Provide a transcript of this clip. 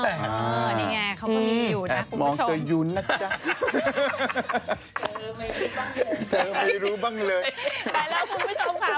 แต่แล้วพี่คุณผู้ชมค้า